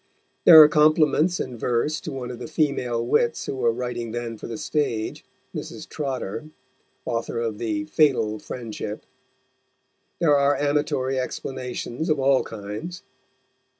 There are compliments in verse to one of the female wits who were writing then for the stage, Mrs. Trotter, author of the Fatal Friendship; there are amatory explanations of all kinds.